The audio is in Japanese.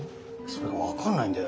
それが分かんないんだよ。